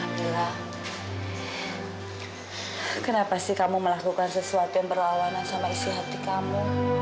mila kenapa sih kamu melakukan sesuatu yang berlawanan sama isi hati kamu